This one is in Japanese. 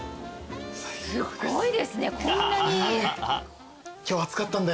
すごいですねこんなに。